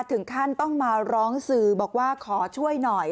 ถึงขั้นต้องมาร้องสื่อบอกว่าขอช่วยหน่อย